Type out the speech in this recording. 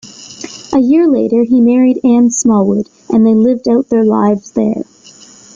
A year later, he married Anne Smallwood, and they lived out their lives there.